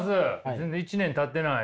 全然１年たってない？